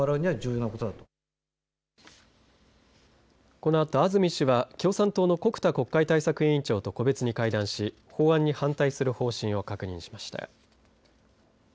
このあと安住氏は共産党の穀田国会対策委員長と個別に会談し法案に反対する方針を確認しました。